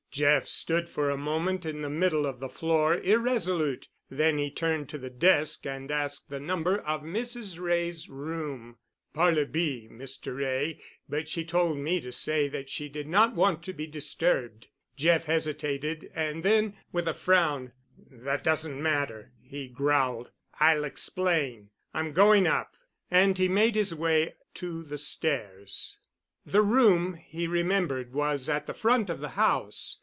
Jeff stood for a moment in the middle of the floor, irresolute. Then he turned to the desk and asked the number of Mrs. Wray's room. "Parlor B, Mr. Wray, but she told me to say that she did not want to be disturbed." Jeff hesitated, and then, with a frown: "That doesn't matter," he growled. "I'll explain. I'm going up," and he made his way to the stairs. The room, he remembered, was at the front of the house.